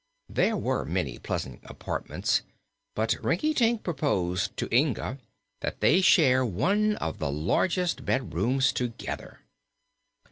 There were many pleasant apartments, but Rinkitink proposed to Inga that they share one of the largest bedrooms together.